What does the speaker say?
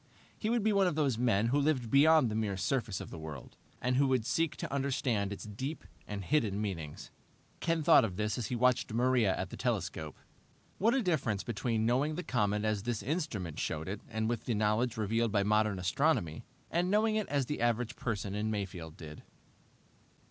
He would be one of those men who lived beyond the mere surface of the world, and who would seek to understand its deep and hidden meanings. Ken thought of this as he watched Maria at the telescope. What a difference between knowing the comet as this instrument showed it, and with the knowledge revealed by modern astronomy, and knowing it as the average person in Mayfield did.